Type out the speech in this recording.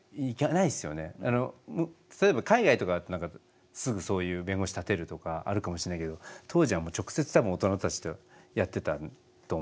例えば海外とかって何かすぐそういう弁護士立てるとかあるかもしれないけど当時はもう直接多分大人たちとやってたと思うから。